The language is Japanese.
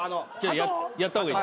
やった方がいい。